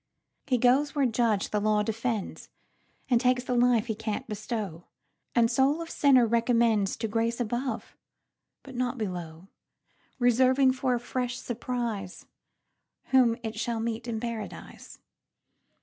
He goes where judge the law defends, And takes the life he can't bestow, And soul of sinner recommendsTo grace above, but not below; Reserving for a fresh surpriseWhom it shall meet in Paradise.